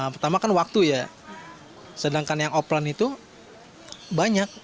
pertama kan waktu ya sedangkan yang offline itu banyak